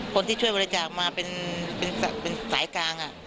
คนที่ช่วยบริจาคมาเป็นสายกลาง